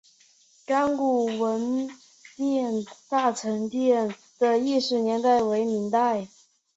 甘谷文庙大成殿的历史年代为明代。